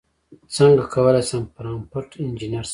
څنګه کولی شم پرامپټ انژینر شم